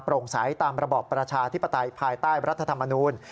่งใสตามระบอบประชาธิปไตยภายใต้รัฐธรรมนูล